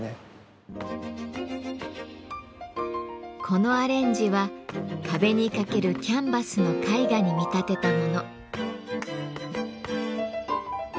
このアレンジは壁にかけるキャンバスの絵画に見立てたもの。